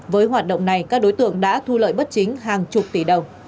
với hoạt động này các đối tượng đã thu lợi bất chính hàng chục tỷ đồng